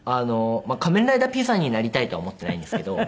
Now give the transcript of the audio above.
仮面ライダーピザになりたいとは思っていないんですけど。